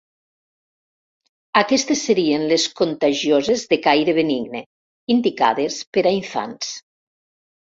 Aquestes serien les contagioses de caire benigne, indicades per a infants.